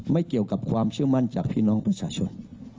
เกี่ยวกับความเชื่อมั่นจากพี่น้องประชาชน